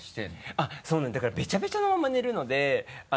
あっそうなんですだからベチャベチャのまま寝るので。